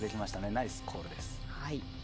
ナイスコールです。